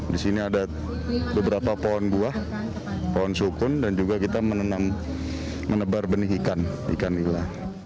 di sini ada beberapa pohon buah pohon sukun dan juga kita menebar benih ikan nila